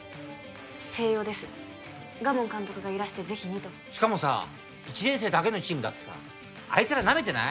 星葉です賀門監督がいらしてぜひにとしかもさ１年生だけのチームだってさあいつらなめてない？